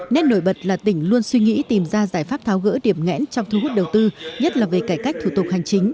nét nổi bật là tỉnh luôn suy nghĩ tìm ra giải pháp tháo gỡ điểm ngẽn trong thu hút đầu tư nhất là về cải cách thủ tục hành chính